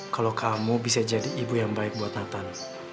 kalau kamu bisa jadi ibu yang baik buat nathan